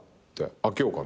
「あけようかな」？